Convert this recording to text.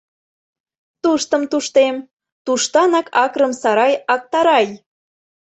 Туштым туштем — туштанак акрым-сарай актарай!